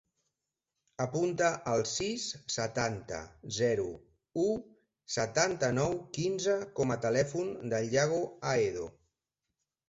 Apunta el sis, setanta, zero, u, setanta-nou, quinze com a telèfon del Yago Ahedo.